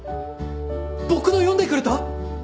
僕の読んでくれた！？